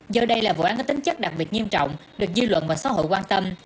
giờ đây là vụ án có tính chất đặc biệt nghiêm trọng được dư luận và xã hội quan tâm